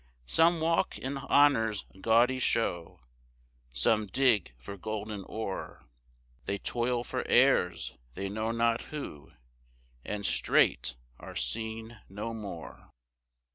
4 Some walk in honour's gaudy show, Some dig for golden ore, They toil for heirs, they know not who, And straight are seen no more.